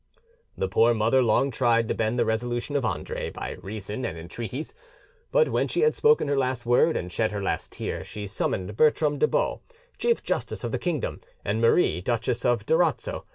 The poor mother long tried to bend the resolution of Andre by reason and entreaties; but when she had spoken her last word and shed her last tear, she summoned Bertram de Baux, chief justice of the kingdom, and Marie, Duchess of Durazzo.